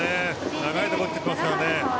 長いところに打っていますからね。